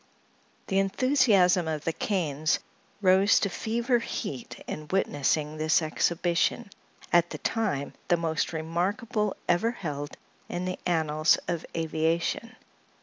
The enthusiasm of the Kanes rose to fever heat in witnessing this exhibition, at the time the most remarkable ever held in the annals of aviation.